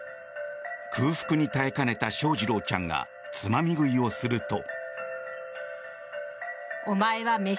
空腹に耐えかねた翔士郎ちゃんがつまみ食いをすると。